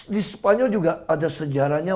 di spanyol juga ada sejarahnya